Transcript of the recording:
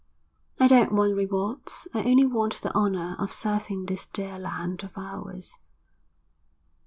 I don't want rewards; I only want the honour of serving this dear land of ours.'